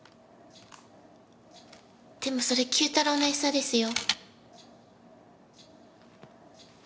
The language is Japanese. でもそれＱ太郎のエサですよ。